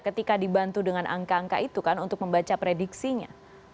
ketika dibantu dengan angka angka itu kan untuk membaca prediksinya